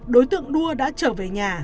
đối tượng đua đã trở về nhà